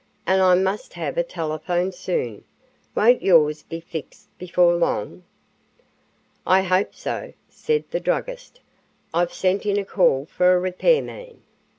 "And I must have a telephone soon. Won't yours be fixed before long?" "I hope so," said the druggist. "I've sent in a call for a repair man.